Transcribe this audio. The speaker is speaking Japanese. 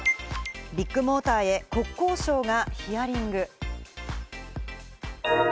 ビッグモーターへ国交省がヒアリング。